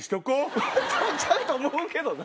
ちゃうと思うけどな。